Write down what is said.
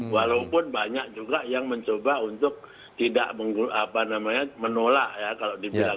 walaupun banyak juga yang mencoba untuk tidak menolak ya kalau dibilang